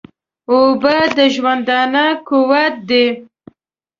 اوبه د ژوندانه قوت دي